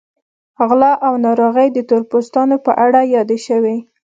غلا او ناروغۍ د تور پوستانو په اړه یادې شوې.